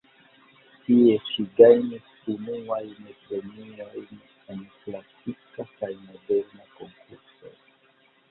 Tie ŝi gajnis unuajn premiojn en klasika kaj moderna konkursoj.